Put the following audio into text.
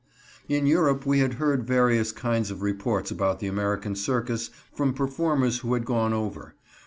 In Europe we had heard various kinds of reports about the American circus from performers who had gone over.